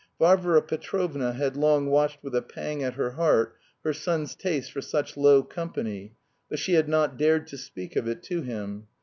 Varvara Petrovna had long watched with a pang at her heart her son's taste for such low company, but she had not dared to speak of it to him.